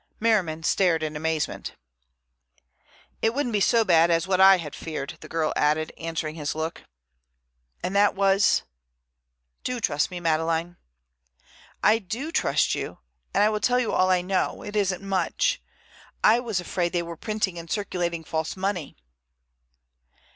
Merriman stared in amazement. "It wouldn't be so bad as what I had feared," the girl added, answering his look. "And that was—? Do trust me, Madeleine." "I do trust you, and I will tell you all I know; it isn't much. I was afraid they were printing and circulating false money."